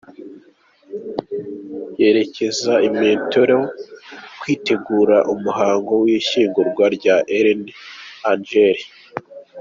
Yerekezaga i Montreal kwitegura umuhango w’ishyingurwa rya René Angélil.